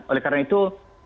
oleh karena itu